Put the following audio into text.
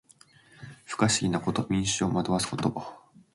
不可思議なことで民衆を惑わすこと。